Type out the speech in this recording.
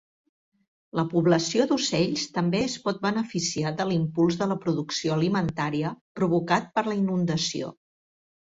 La població d'ocells també es pot beneficiar de l'impuls de la producció alimentària provocat per la inundació.